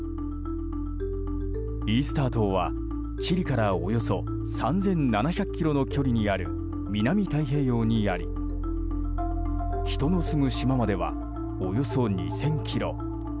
イースター島は、チリからおよそ３７００ｋｍの距離にある南太平洋にあり人の住む島まではおよそ２０００ｋｍ。